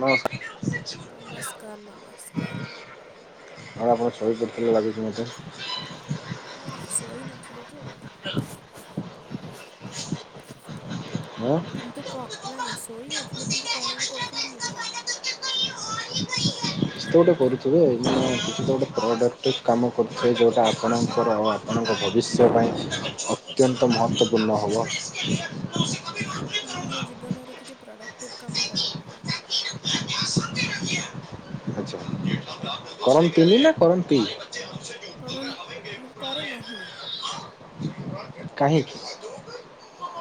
ନମସ୍କାର ନମସ୍କାର ନମସ୍କାର ଆଉ ଆଣ ସ ସହୀଦ କରି ଲାଗିଛି ଆଜ ନା ନା ଶୋଇନଥିଲି ଯେ ହଁ କିନ୍ତୁ କ ନା ନା ଶୋଇ ନଥିଲି କିନ୍ତୁ କଣ ବି କରୁଥିଲି ମୁଁ ବି ଜାଣିନି କିଛି ତ ଗୋଟେ କରୁଥିବେ ମାନେ କି ତ ଗୋଟେ ପ୍ରକ୍ କାମ କରୁଥିବେ ଯୋଉଟା ଆପଣଙ୍କର ଆପଣଙ୍କ ଭବିଷ୍ୟ ପାଇଁ ଅତ୍ୟନ୍ତ ମହତ୍ଵପୂର୍ଣ୍ଣ ହେବ ମୁଁ ମୋ ଜୀବନରେ କିଛି ପ୍ରଡ଼କ୍ଟିଭ୍ କାମ କରୁନାହିଁ ହ କରମ ିଲି ନା କରମ ପିଲ କର ମୁଁ କରେ ନାହିଁ କହିଁକ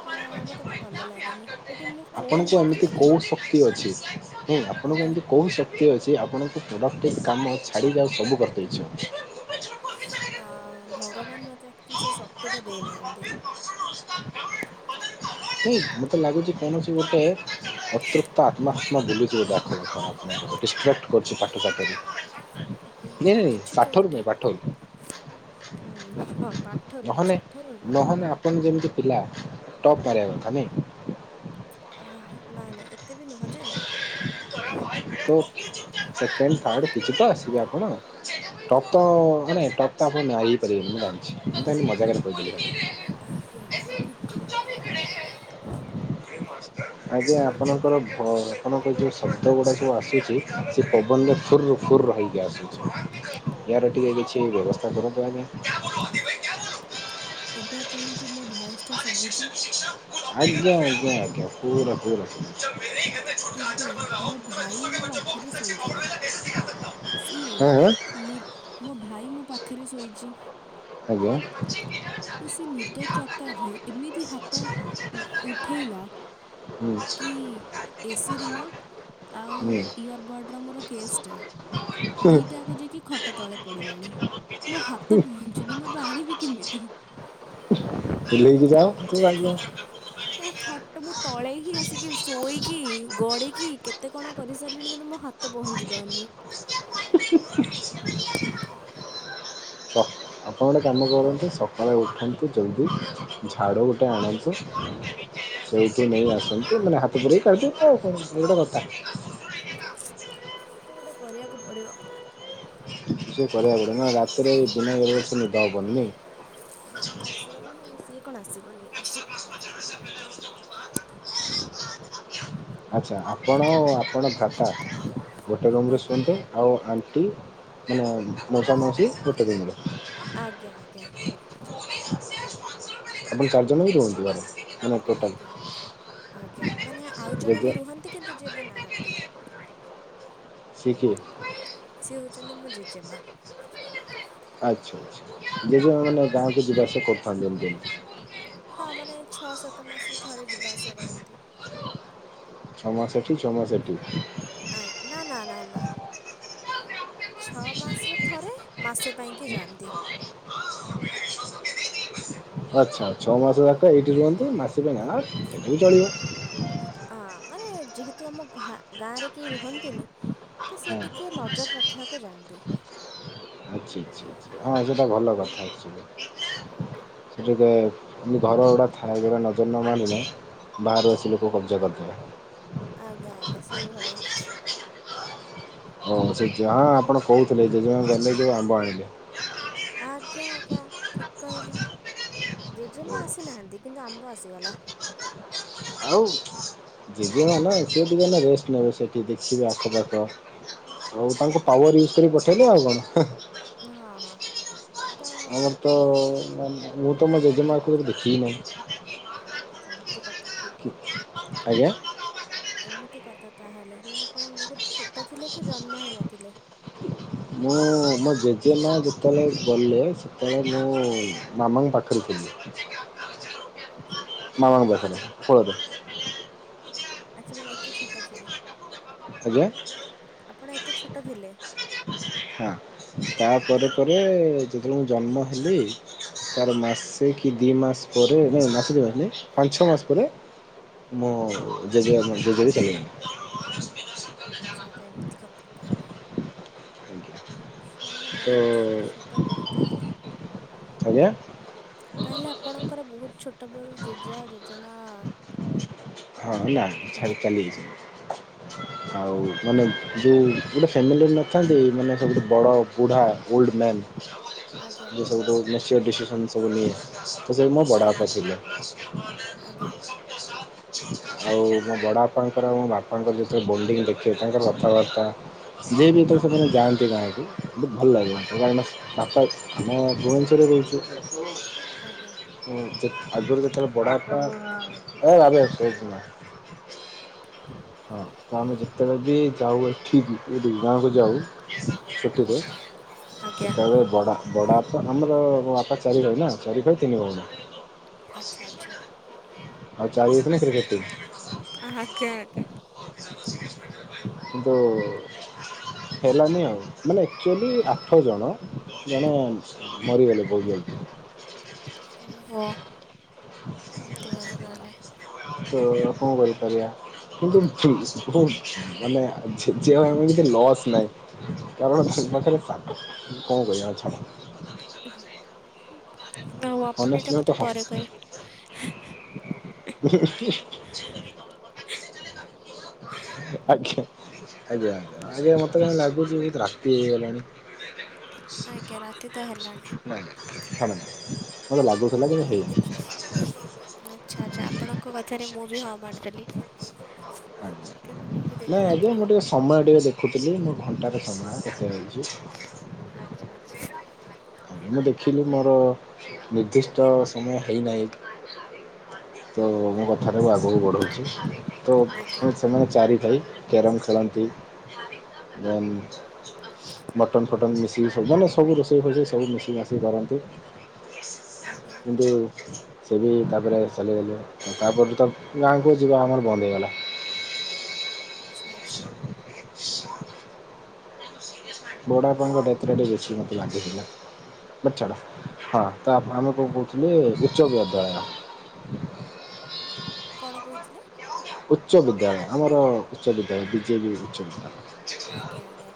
ଅ ମତେ ଭଲ ଲାଗେନି ଏଠି ମୁଁ ଫୋନ୍ ଆପଣଙ୍କୁ ଦେଖି ଏମିତି ଦେଖି କୋଉ ଶକ୍ତି ଅଛି ନାଇଁ ଆପଣଙ୍କୁ ଆଜ୍ଞା ଏମିତି କୋଉ ଶକ୍ତି ଅଛି ଆପଣଙ୍କୁ ପ୍ରଡ଼କ୍ଟ କାମ ଛାଡ଼ିକଉ ସବୁ କରତେଇଚ୍ଛ ଅ ଭଗବାନ ମତେ ଆଚୁଆଲି ସେ ଶକ୍ତି ଟା ଦେଇନାହାନ୍ତି ନ ମତେ ଲାଗୁଛି କୌଣସି ଗୋଟେ ଅତୃପ୍ତ ଆତ୍ମାହାତ୍ମା ବୁଲିଥିବ ଡା ଡିଷ୍ଟ୍ରାକ୍ଟ କରଛି ପାଠପାଠରେ ହେଇପାରେ ନାଇ କିଛି ତ ସାଠୋରୁମ ଗୋଟେ ପାଠୋରୁ ଉଁ ହଁ ପାଠରୁ ହିଁ ନହଲେ ଶାଠରୁ ନୁହଁ। ନହେଲେ ଆପଣ ଯେମିତି ପିଲା ପ କମି ନାଇଁ ନାଁ ଏତେ ବି ନୁହଁ ଯେ ତ ସେକେଣ୍ଡ ଥାର୍ଡ଼ କିଛି ତ ଆସିବେ ଆପଣ ଟପ୍ ତେ ଟପ ତ ଆପଣ ଆଇପାରିବେ ମୁ ଜାଣି ମୁଁ ତ ମଜା ଆଜ୍ଞା ଆଜ୍ଞା ଠିକ ଆଜ୍ଞା ଆପଣଙ୍କର ଆପଣଙ୍କର ଯୋଉ ଶବ୍ଦ ଗୁଡା ସବୁ ଆସୁଛି ସେ ପବନରେ ୁରରୁୁ ଫୁଲ ରହିକି ଆସୁଛି ୟାର ଟିକିେ କିଛି ବ୍ୟବସ୍ଥା କରନ୍ତୁ ଆଜ୍ଞା ଏବେ ଆପଣଙ୍କୁ ମୋ ଭଏସ୍ଟା ଶୁଭୁଛି ଆଜ୍ଞା ଆଜ୍ଞା ଆଜ୍ଞା ପୁର ପୁରା ଏବେ ମୋ ଭାଇ ମୋ ପାଖରେ ଶୋଇଥିଲା ଏ ସିଏ ନି ମୋ ଭାଇ ମୋ ପାଖରେ ଶୋଇଚି। ଆଜ୍ଞା। ତ ସେ ନିଦ ଚକରରେ ଏମିତି ହାତ ଉ ଉଠେଇଲା। ହୁଁ। କି ଏସିି ରିମୋଟ୍ ଆଉ ଇୟରବର୍ଡ଼ର ମୋର କେସ୍ ଟା ଦିଟା ଯାକ ଯାଇକି ଖଟ ତଳେ ପଡ଼ିଲାଣି, ମୋ ହାତ ପହଞ୍ଚୁନି। ମୁ ଏ ବେ ଆଣିବି କିମିତିି? ଲେଇକି ଯାଅ [unintelligible] ଏ ଖଟ ମୁଁ ତଳେ ହିଁ ଆସିକି ଶୋଇକି ଗଡ଼ିକି କେତେ କଣ କରିସାରିଲିଣି କିନ୍ତୁ ମୋ ହାତ ତ ପହଞ୍ଚିପାରୁନି। [inaudible] ହ। ଆପଣ ଗୋଟେ କାମ କରନ୍ତୁ ସକାଳେ ଉଠାନ୍ତୁ ଜଲ୍ଦି ଝାଡୁ ଗୋଟେ ଆଣନ୍ତୁ। ସେଇଠି ନେଇ ଆସନ୍ତୁ ମାନେ ହାତ ପଡି କାଢଦିବୁ ଆ ଏଇଟା କଥା। କଣ ଗୋଟେ କରିବାକୁ ପଡ଼ିବ। ସେ କରିବା ପଡିବ ନା ରାତିରେ ଦନା ନିଦ ହବନି ନେଇ। ହଁ ଆସିଗଲା ନା ଆଉ ସିଏ କଣ ଆସିବନି ଆସିବ। ଆଚ୍ଛା ଆପଣ ଆପଣଙ୍କ ବାପା ଗୋଟେ ରୁମ୍ରେ ଆଜ୍ଞା ଶୁଅନ୍ତୁ। ଆଉ ଆଣ୍ଟି ମାନେ ମଉସା ମାଉସୀ ଗୋଟେ ରୁମରେ। ଆଜ୍ଞା ଆଜ୍ଞା। ଆପଣ ଚାରିଜଣ ହି ରୁହନ୍ତି ଘରେ? ମାନେ ଟୋଟାଲ ଆଜ୍ଞା ଆଜ୍ଞା ମାନେ ଆଉ ଜଣେ ଜେଜେ ବି ରୁହନ୍ତି କିନ୍ତୁ ଯେ ଏବେ ନାହାନ୍ତି। ସିଏ କିଏ? ସିଏ ହେଉଚନ୍ତି ମୋ ଜେଜେମା। ଆଚ୍ଛା ଆଛା ଜେଜେମା ମାନେ ଗାଁ କୁ ଜିବା ଆସିବା କରିଥାନ୍ତ ଏମିତି। ହଁ ମାନେ ଛଅ ସାତ ମାସରେ ଥରେ ଯିବା ଆସିବା କରନ୍ତି। ଛମାସ ଏଠି ଛମାସ ସେଠି। ଆ ନା ନା ନା ନା। ଛଅ ମାସରେ ଥରେ ମାସେ ପାଇଁକି ଯାଆନ୍ତି। [inaudible] ଆଚ୍ଛା ଛଅ ମାସ ଯାକ ଏଇଠି ରୁହନ୍ତୁ ମାସ ପାଇଁ ଆଁ ସେଟା ବି ଚଳିବ। ଅ ମାନେ ଯେହେତୁ ଆମ ଗାଁରେ କେହି ରୁହନ୍ତିନି ତ ସିଏ ଟିକିଏ ନଜର ହଁ। ରଖିବାକୁ ଯାଆନ୍ତି। ଆଛା ଛା ଛାଆ ଆା ହଁ ସେଟା ଭଲ କଥା ଆ। ଆଜ୍ଞା ସେଠିକେ ଘର ଗୁଡା ଥାଏ ଯଉଟା ନଜର ନ ମାରିଲେ ବାହାରୁ ଆସି ଲୋକ କବ୍ଜା କରିଦେବେ। ଆଜ୍ଞା ଆଜ୍ଞା ସେଇଭଳିଆ କିଛି। ହଉ ସେଆ ହଁ ଆପଣ କହୁଥିଲେ ଜେଜେମା ଗଲେ ଯେ ଆମ୍ବ ଆଣିଲେ। ଆଜ୍ଞା ଆଜ୍ଞା ଠିକ୍ କହିଲେ। ଜେଜେମା ଆସିନାହାନ୍ତି କିନ୍ତୁ ଆମ୍ବ ଆସିଗଲା। ଆଉ ଜେଜେ ମା ନା ସେ ଟିକେ ରେଷ୍ଟ ନେବେ ସେଠି ଦେଖିବେ ଆଖପାଖ। ହଉ ତାଙ୍କୁ ଆଜ୍ଞା। ପାୱାର ବୁଷ୍ଟର ପଠେଇଲେ ଆଉ କଣ। ହଁ ହଁ। ତ ଆମର କିଏ ମାନେ ମୁଁ ଗୋଟେ ତ ମୋ ବନ୍ଧୁ ଜେଜେମାଆକୁ କେବେ ଦେଖିବି ନାହିଁ। ଅଛି। ଆଛା ଏମିତି କଥା କି। ଆଜ୍ଞା ଏମିତି କଥା ତାହେଲେ ମାନେ ଆପଣ ବହୁତ ଛୋଟ ଥିଲେ କି ଜନ୍ମ ହେଇ ନଥିଲେ। ମୁଁ ମୋ ଜେଜେ ମା ଯେତେବେଳେ ଗଲେ ସେତେବେଳେ ମୁଁ ମାମାଙ୍କ ପାଖରେ ଥିଲି। [inaudible] ଆଚ୍ଛା। ମାମାଙ୍କ ପାଖରେ ପଳଦେ। ଆଚ୍ଛା ମାନେ ଏତେ ଛୋଟ ଥିଲେ? ଆଜ୍ଞା। ଆପଣ ଏତେ ଛୋଟ ଥିଲେ? ହଁ ତା ପରେ ଆଜ୍ଞା। ପରେ ଯେତେବେଳେ ମୁଁ ଜନ୍ମ ହେଲି ତାର ମାସେ କି ଦି ମାସ ପରେ ନାଇ ମାସେ ଦି ମାସ ନାଇ ପାଞ୍ଚ ଛଅ ମାସ ପରେ ମୁଁ ଜେଜେମା ଜେଜେ ବି ଚାଲିଗଲେଣି। ଆଚ୍ଛା ଆଚ୍ଛା ଏମିତି କଥା ତାହେଲେ। ଆଛା ମାନେ ବହୁତ ଛୋଟବେଳୁ ତାହେଲେ। ଆଜ୍ଞା। ତାହେଲେ ଆପଣଙ୍କର ବହୁତ ଛୋଟବେଳୁ ଜେଜେ ଓ ଜେଜେମା ହଁ ନା ଛାଡି ଗଲେ ଚାଲିଯାଇଛି ଆଉ ମାନେ ଯେଉଁ ଗୋଟେ ଫ୍ୟାମିଲିର ନା ଅଛନ୍ତି ମାନେ ସବୁଠୁ ବଡ ବୁଢା ଓଲଡ ମ୍ୟାନ ଆଜ୍ଞା ଯୋଉ ସବୁଠୁ [unintelligible] ସିଏ ଡିସିସନ ସବୁ ନିଏ ସେ ମୋ ଆଜ୍ଞା। ବଢ଼ବାପା ଥିଲେ। ଆଜ୍ଞା। ଆଉ ମୋ ବଡ ବାପାଙ୍କର ଆଉ ମୋ ବାପାଙ୍କର ଯେତେବେଳେ ବୋଣ୍ଡିଙ୍ଗ ଦେଖିବ ତାଙ୍କର କଥାବାର୍ତ୍ତା ଯିଏ ବି ଏଥିରେ ସେମାନେ ଯାଆନ୍ତି ନାହାଁନ୍ତି ବହୁତ ଭଲ ଲାଗେ କାହିଁକିନା ବାପା ଆମେ ଭୁବନେଶ୍ୱରରେ ରହୁଛୁ ଆଜ୍ଞା। ଆ କେ ଆଗରୁ ଯେତେବେଳେ ବଡବାପା ଏ [inaudible] [unintelligible] ହଁ ତ ଆମେ ଯେତେବେଳେ ବି ଯାଉ ଏଠିକି ଏ ଦୁଇ ଗାଁକୁ ଯାଉ ଛୁଟିରେ ଆଜ୍ଞା ସେତେବେଳେ ବଡ ବଡ ବାପା ଆମର ମୋ ବାପା ଚାରି ଭାଇ ନା ଚାରି ଭାଇ ତିନି ଭୋଉଣୀ। ଆଚ୍ଛା ଆଚ୍ଛା। ଆଉ ଚାରି ହେଇଥିଲେ କ୍ରିକେଟ ଟିମ୍। ଆ ଆଜ୍ଞା ଆଜ୍ଞା। କିନ୍ତୁ ହେଲାନି ଆଉ। ମାନେ ଆକ୍ଚୁଆଲି ଆଠ ଜଣ ଜଣେ ମରିିଗଲେ ବହୁତ ଜଲ୍ଦୀ। ଓହୋ। [inaudible] ଏମିତି କଥା ତାହାଲେ। ତ କଣ କରିପାରିବା କିନ୍ତୁ ଠିକ ହୁଁ ମାନେ ଛେଚି ହେବାପାଇଁ ଟିକେ ଲସ୍ ନାହିଁ। କାରଣ ପାଖରେ କଣ କରିବା ଛାଡ। ଆଉ ଆପଣ ଏଇଟା ମୋତେ ପରେ କହିଁ [inaudible] ଆଜ୍ଞା। ଆଜ୍ଞା ଆଜ୍ଞା ଆଜ୍ଞା ମତେ କାହିଁ ଲାଗୁଛି ବୋହୁତ ରାତି ହେଇଗଲାଣି। କେ ରାତି ତ ହେଲାଣି। ନାଇଁ। ଛାଡ଼ନ୍ତୁ। ମୋତେ ଲାଗୁଥିଲା କିନ୍ତୁ ହେଇନି। ଆଚ୍ଛା ଆଚ୍ଛା ଆପଣଙ୍କ କଥାରେ ମୁଁ ବି ହଁ ମାରିଦେଲି। ଆଜ୍ଞା କାରଣ ମୁଁ ବି ନାଇଁ ଆଜ୍ଞା ଦେଖିନଥିଲି। ମୁଁ ଟିକେ ସମୟ ଟିକେ ଦେଖୁଥିଲି ମୁଁ ଘଣ୍ଟାର ସମୟ କେତେ ହେଇଛି। ଆଚ୍ଛା ଆଚ୍ଛା। ମୁଁ ଦେଖିଲି ମୋର ନିର୍ଦ୍ଦିଷ୍ଟ ସମୟ ହେଇନାହିଁ। ତ ମୁଁ କଥାଟାକୁ ଆଗକୁ ବଢଉଛି। ତ ଆଜ୍ଞା କଣ ଅଛି ତମର ଚାରିଭାଇ କ୍ୟାରମ ଖେଳନ୍ତି ଦେନ୍ ମଟନ ଫଟନ୍ ମିଶିକି ସବୁ ମାନେ ସବୁ ରୋଷେଇ ଫୋଷେଇ ସବୁ ମିଶି ମାସି କରନ୍ତି ଆଜ୍ଞା କିନ୍ତୁ ସିଏ ବି ତାପରେ ଚାଲିଗଲେ ତାପର ଠୁ ତ ଗାଁକୁ ଯିବା ଆମର ବନ୍ଦ ହେଇଗଲା। ଆଚ୍ଛା ଆଚ୍ଛା। [unintelligible] ବଡବାପାଙ୍କ ଡେଥରେଟ ବେଶି ମୋତେ ଲାଗିଥିଲା। ତ ଛାଡ ହଁ ତ ଆପଣ ଆମକୁ କଣ କହୁଥିଲେ ଉଚ୍ଚ ବିଦ୍ୟାଳୟ କଣ କହୁଥିଲେ? ଉଚ୍ଚ ବିଦ୍ୟାଳୟ। ଆମର ଉଚ୍ଚ ବିଦ୍ୟାଳୟ। ବିଜେବି ଉଚ୍ଚ ବିଦ୍ୟାଳୟ। ଆଜ୍ଞା ଆଜ୍ଞା।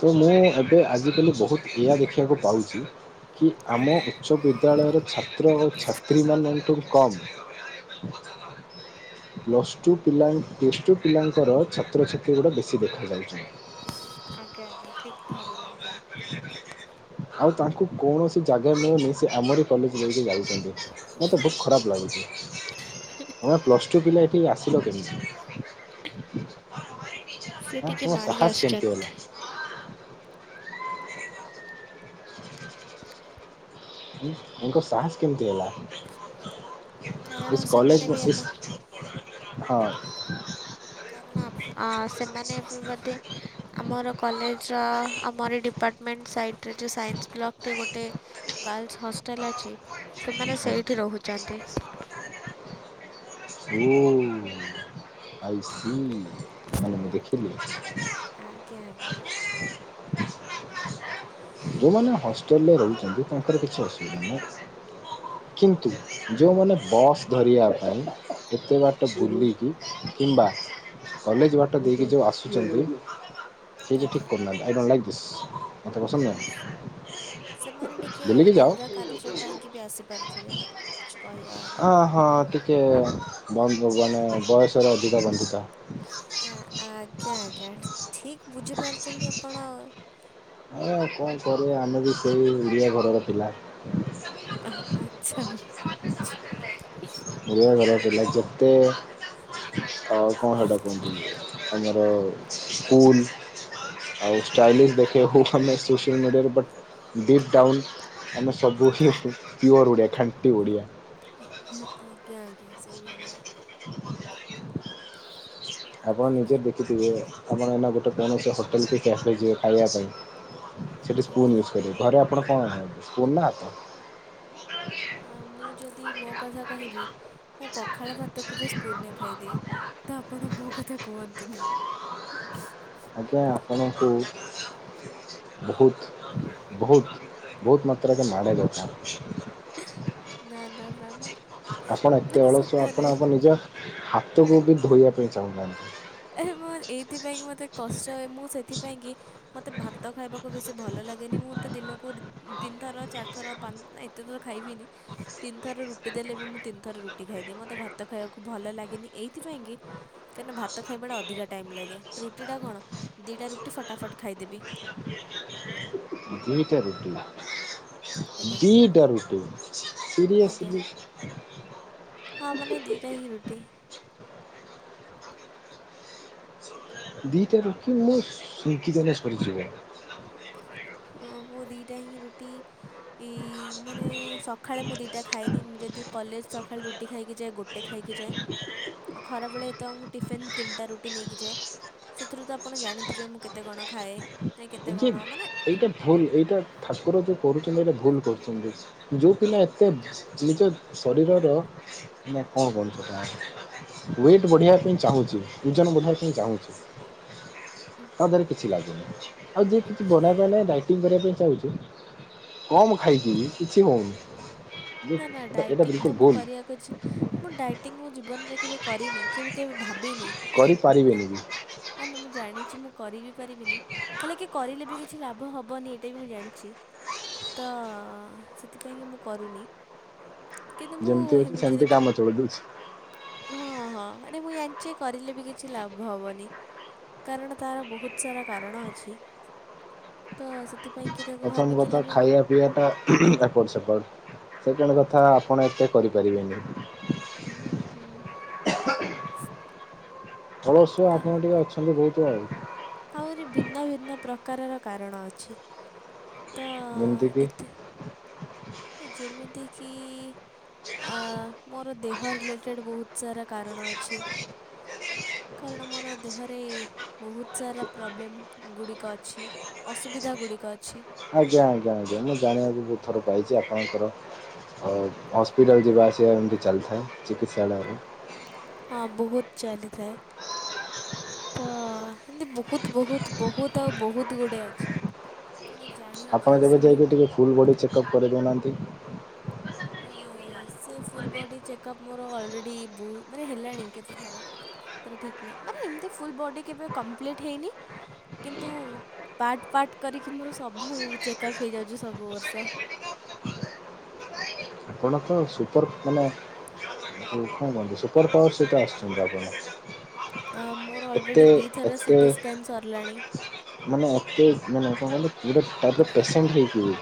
ତ ମୁଁ ଏବେ ଆଜିିକାଲି ବୋହୁତ୍ ଏଆ ଦେଖିବାକୁ ପାଉଛି କି ଆମ ଆଜ୍ଞା। ଉଚ୍ଚ ବିଦ୍ୟାଳୟର, ଛାତ୍ର ଓ ଛାତ୍ରୀମାନଙ୍କଠୁ କମ୍ ପ୍ଲସଟୁ ପିଲା ପ୍ଲସଟୁ ପିଲାଙ୍କର ଛାତ୍ରଛାତ୍ରୀ ଗୁଡା ବେ ସେ ଦେଖା ଆଜ୍ଞା ଆଜ୍ଞା ଠିକ୍ ଧରିଲେ ଆପଣ। ଯାଉଛନ୍ତି। ଆଉ ତାଙ୍କୁ କୌଣସି ଜାଗା ନ ନେଇ ସେ ଆମରି କଲେଜ ନେଇକି ଯାଉଛନ୍ତି ମତେ ବହୁତ ଖରାପ ଲାଗୁଛି। ହଁ ପ୍ଲସଟୁ ପିଲା ଏଠିକି ଆସିଲ କେମିତି? ସେ ଆଁ ଟିକେ ତମ ମାଡ଼ି ସାହସ କେମିତି ଆସୁଛନ୍ତି ହେଲା? ଉଁ ଆଙ୍କ ସାହାସ କେମିତି ହେଲା? କାରଣ ସେମାନେ କଲେଜ ବି ବସେ ଆମ ହଁ। କାରଣ ଆପ-ସେମାନେ ବି ବୋଧେ [inaudible] ଆମର କଲେଜର ଆମରି ଡିପାର୍ଟମେଣ୍ଟ ସାଇଟରେ ଯେଉଁ ସାଇନ୍ସ ବ୍ଲକଟି ଗୋଟେ ଗାର୍ଲସ୍ ହଷ୍ଟେଲ ଅଛି, ସେମାନେ ସେଇଠି ରହୁଛନ୍ତି। ଓ ଆଇ ସି ମାନେ ମୁଁ ଦେଖିଲି। ଆଜ୍ଞା ଆଜ୍ଞା। ଯୋଉମାନେ ହଷ୍ଟେଲ ରେ ରହୁଛନ୍ତି ତାଙ୍କର କିଛି ଅସୁବିଧା ନାହଁ କିନ୍ତୁ ଯେଉଁମାନେ ବସ୍ ଧରିବା ପାଇଁ ଏତେ ବାଟ ବୁଲିକି କିମ୍ବା କଲେଜ ବାଟ ଦେଇକି ଯୋଉ ଆସୁଛନ୍ତି ସେ ଯେ ଠିକ୍ ଆଜ୍ଞା କରୁନାହାନ୍ତି। ଆଇ ଡୋଣ୍ଟ ଲାଇକ୍ ଦିସ୍, ମତେ ପସନ୍ଦ ନୁହେଁ। ସେମାନେ ଟିକେ ଅଲଗା କାର୍ଯ୍ୟ ପାଇଁକି ବି ଆସିପାରୁଥିବେ କିଛି କହିହବନି। ହଁ ହଁ ଟିକେ ବନ୍ଦ ହବୁ ଆମେ ବୟସର ଅଧିକ ବାନ୍ଧୁତା। ଆ-ଆଜ୍ଞା ଆଜ୍ଞା। ଠିକ୍ ବୁଝିପାରୁଛନ୍ତି ଆପଣ। ଆ ଆଉ କଣ କରିବା, ଆମେ ବି ସେଇ ଓଡ଼ିଆ ଘରର ପିଲା। ଆ-ଆଚ୍ଛା। ଓଡ଼ିଆ ଘର ପିଲା ଯେତେ ଆଉ କଣ ସେଇଟା କୁହନ୍ତି, ଆମର ସ୍କୁଲ ଆଉ ଷ୍ଟାଇଲିସ ଦେଖେଇ ହୋଉ ଆମେ ସୋସିଆଲ ମିଡିଆରେ ବଟ୍ ଡିପ୍ ଡାଉନ୍। ଆମେ ସବୁ ହିଁ ପିଓର ଓଡ଼ିଆ ଖାଣ୍ଟି ଓଡ଼ିଆ। ଆ-ଆଜ୍ଞା ଆଜ୍ଞା। ସେଇଭଳିଆ। ଆପଣ ନିଜେ ଦେଖିଥିବେ ଆପଣ ଏନା ଗୋଟେ କୌଣସି ହୋଟେଲ କି କ୍ୟାଫେ ଯିବେ ଖାଇବା ପାଇଁ ସେଠି ସ୍ପୁନ୍ ଆଜ୍ଞା। ୟୁଜ୍ କରିବ ଘରେ ଆପଣ କଣ ସ୍ପୁନ ନା ହାତ? ଆ ମୁଁ ଯଦି ମୋ କଥା କହିବି ମୁଁ ପଖାଳ ଭାତକୁ ବି ସ୍ପୁନ ରେ ଖାଇଦିଏ, ତ ଆପଣ ମୋ କଥା କୁହନ୍ତୁନି। ଆଜ୍ଞା ଆପଣଙ୍କୁ, ବୋହୁତ୍ ବୋହୁତ୍ ବୋହୁତ୍ ମାତ୍ରା କେ ମାଡ଼େ ନା ନା ନା ନା। ଦରକାର ଆପଣ ଏତେ ମାନେ ଅଳସୁଆ, ସତରେ ଆପଣ ଆପଣ ନିଜ ହାତକୁ ବି ଧୋଇବାକୁ ପାଇଁ ଚାହୁଁନାହାନ୍ତି। ଏ ମୋ ଏଇଥିପାଇଁ କି ମତେ କଷ୍ଟ ହଏ। ମୁଁ ସେଥିପାଇଁ କି ମତେ ଭାତ ଖାଇବାକୁ ବେଶୀ ଭଲ ଲାଗେନି। ମତେ ଦିନକୁ ତିନି ଥର ଚାରିଥର ପା-ଏତେ ଥର ଖାଇବିନି। ତିନି ଥର ରୁଟି ଦେଲେ ବି ମୁଁ ତିନି ଥର ରୁଟି ଖାଇଦିଏ। ମତେ ଭାତ ଭାତ ଖାଇବାକୁ ଭଲ ଲାଗେନି ଏଇଥିପାଇଁ କି, କାହିଁକନା ଭାତ ଭତ ଖାଇବାଟା ଅଧିକା ଟାଇମ୍ ଲାଗେ। ରୁଟିଟା କଣ ଦୁଇଟା ରୁଟି ଫଟାଫଟ ଖାଇଦେବି। ଦିଟା ରୁଟି। ଆଜ୍ଞା ଦିଟା ରୁଟି ଆଜ୍ଞା। ସିରିଏସ୍ଲି। ହଁ ମାନେ ଦିଟା ହୀ ରୁଟି। ଦିଟା ରୁଟି ମୁଁ ସୁଙ୍କି ଦେଲେ ସରିଯିବ। ହଁ ମୁଁ ଦିଟା ହିଁ ରୁଟି ଏ ମାନେ ସ ସଖାଳେ ମୁଁ ଦିଟା ଖାଏନି। ମୁଁ ଯଦି କଲେଜ ସଖାଳେ ରୁଟି ଖାଇକି ଯାଏ। ଗୋଟେ ଖାଇକି ଯାଏ ଆଉ ଖରାବେଳେ ମୁଁ ଟିଫିନ୍ ତିନିଟା ରୁଟି ରୁଟି ନେଇକି ଯାଏ ସେଥିରୁ ତ ଆପଣ ଜାଣିଥିବେ ମୁଁ କେତେ କଣ ଖାଏ। ମାନେ କେତେ ଏ ଯେ କଣ ମାନେ ଏଇଟା ଭୁଲ ଏଇଟା ଠାକୁର ଯେଉଁ କରୁଛନ୍ତି ଏଇଟା ଭୁଲ କରୁଛନ୍ତି। ଯେଉ ପିଲା ଏତେ ଯେମିତି ଶରୀରର ନା କଣ କରୁଛ ୱେଟ୍ ବଢିବା ପାଇଁ ଚାହୁଁଛି ଓଜନ ବଢେଇବା ପାଇଁ ଚାହୁଁଛି। ତାଧାର କିଛି ଲାଗୁନି ଆଉ ଯିଏ ଉଁ, କିଛି ବନେଇ ବା ନାଇ ଟି କରିବା ପାଇଁ ଚାହୁଁଛି କମ ଖାଇକି କିଛି ହେଉନି ନା ନା ଏଟା ଡାଇଟିଂ ବିଲକୁଲ ଭୁଲ। [unintelligible] ମୁଁ ଡାଇଟିଙ୍ଗ ମୋ ଜୀବନରେ କେବେ କରିନି କେବେ କେବେ ଭାବିନି କରିପାରିବେନି କି ନା ନା ମୁଁ ଜାଣିଛି ମୁଁ କରି ବିି ପାରିବିନି ହେଲେ କି କରିଲେ ବି କିଛି ଲାଭ ହେବନି ଏଇଟା ବି ମୁଁ ଜାଣିଛି ତ ସେଥିପାଇଁକି ମୁଁ କରୁନି କେନ୍ତୁ ମୁଁ ଯେମିତି ଅଛି ସେମିତି କାମ ଚଳେଇ ଦଉଛି। ହେମିତିରେପ ହଁ ହଁ ମାନେ ମୁଁ ାଞ୍ଚ କରିଲେ ବି କିଛି ଲାଭ ହବନି କାରଣ ତାର ବହୁତ ସାରା କାରଣ ଅଛି ତ ସେ ପ୍ରଥମ କଥା ଖାଇବା ପିଆବା ଟା ଏପର୍ଟ ସେପର୍ଟ ସେକେଣ୍ଡ କଥା ଆପଣ ଏତେ କରିପାରିବେନି ହୁଁ ହୁଁ ହ ହ କଳସୁ ଆପଣ ଟିକେ ଅଛନ୍ତି ବହୁତ ଭାଇ ଆହୁରି ଭିନ୍ନ ଭିନ୍ନ ପ୍ରକାରର କାରଣ ଅଛି ତ ଏମତି କି? ଏତେ ଯେମିତିକି ଆ ମୋର ଦେହ ରିଲେଟେଡ଼୍ ବହୁତ ସାରା କାରଣ ଅଛି କାରଣ ମୋର ଦେହରେ ବହୁତ ସାରା ପ୍ରୋବ୍ଲେମ୍ ଗୁଡ଼ିକ ଅଛି ଅସୁବିଧା ଗୁଡ଼ିକ ଅଛି ଆଜ୍ଞା ଆଜ୍ଞା ଆଜ୍ଞା ମୁଁ ଜାଣିବାକୁ ବହୁତ ଥର ପାଇଛି ଆପଣଙ୍କର ଆଉ ହସ୍ପିଟଲ ଯେ ବାଛିତି ଚଲଥାଏ ଚିକିତ୍ସାଳୟରେ ହଁ ବହୁତ ଚାଲିଥାଏ ତ ଏମତି ବହୁତ ବହୁତ ବହୁତ ଆଉ ବହୁତ ଗୁଡ଼ଏ ଅଛି ଆପଣ ଆପଣ ଜାଣିକି କେବେ ଶୁଣିି ଯାଇକି ଟିକେ ଫୁଲ୍ ବଡ଼ି ଚେକଅପ୍ କରିଦଉନାହାନ୍ତି ସେ ଫୁଲ ବଡ଼ି ଚେକଅପ୍ ମୋର ଅଲରେଡ଼ି ବହୁତ ମାନେ ହେଲାଣି କେତେଥର ତା ଠିକ ନହିଁ ମାନେ ଏମତି ଫୁଲ ବ କେବେ କମ୍ପ୍ଟ୍ ହେଇନି କିନ୍ତୁ ପାର୍ଟ ପାାର୍ଟ କରିକି ମୋର ସବୁ ଚେକଅପ୍ ହେଇଯାଉଛି ସବୁ ବର୍ଷ ଆପଣ ତ ସୁପର ମାନେ କଣ ସୁପର ପାୱାର ସେହିତା ଆସୁଛନ୍ତି ଆପଣ ମୋର ଏତେ ଅଲରେଡି ଦିଇଥର ଏତେ ସିଟି ସ୍କାନ ସରିଲାଣି ମାନେ ଏତେ ମାନେ କଣ କହିଲ ପୁରା ଟପରେ ପେସେଣ୍ଟ ହେଇକିବି।